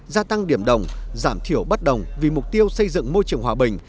gia tăng điểm đồng giảm thiểu bất đồng vì mục tiêu xây dựng môi trường hòa bình